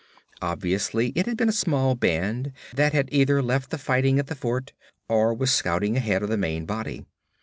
Obviously it had been a small band that had either left the fighting at the fort, or was scouting ahead of the main body.